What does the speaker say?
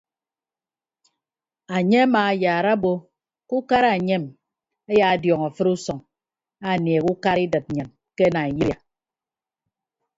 Enye amaayaara obo ke ukara enyem ayaadiọñ afịt usʌñ anieehe ukara idịt nnyịn ke naiyiria.